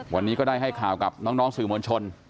วันนี้ก็ได้ให้ข่าวกับน้องสื่อมวลชน